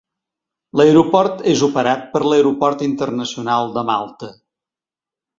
L'aeroport és operat per l'Aeroport Internacional de Malta.